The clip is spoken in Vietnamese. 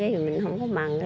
rồi mình không có bằng